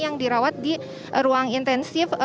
yang dirawat di ruang intensif